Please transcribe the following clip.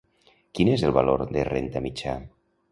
Quin és el valor de renda mitjà?